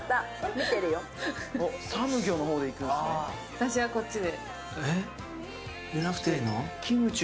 私はこっちで。